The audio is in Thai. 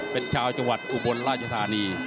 เป็นชาวจังหวัดอุบลราชธานี